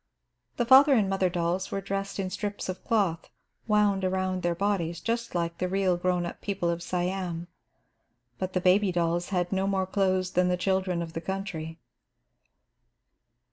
The father and mother dolls were dressed in strips of cloth wound around their bodies, just like the real grown up people of Siam, but the baby dolls had no more clothes than the children of the country.